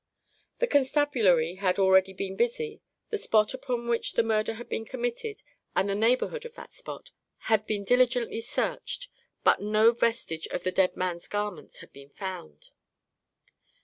The constabulary had already been busy; the spot upon which the murder had been committed, and the neighbourhood of that spot, had been diligently searched. But no vestige of the dead man's garments had been found.